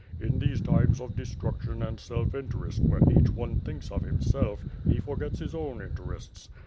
In these times of destruction and self interest, where each one thinks of himself, he forgets his own interests.